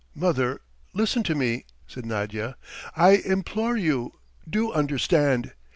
"Mother, listen to me!" said Nadya. "I implore you, do understand!